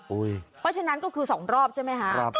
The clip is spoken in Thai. เพราะฉะนั้นก็คือ๒รอบใช่ไหมคะ